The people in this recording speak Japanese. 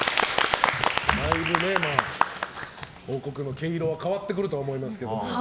報告の毛色は変わってくると思いますけど。